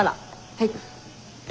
はい。